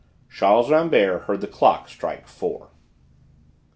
Charles Rambert heard the clock strike four.